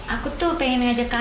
aku tuh pengen ngajak